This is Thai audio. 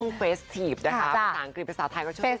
ต้องเฟสตีฟนะคะภาษาอังกฤษภาษาไทยก็ช่วงเทศกาล